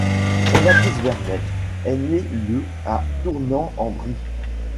Jean-Baptiste Vermay est né le à Tournan-en-Brie.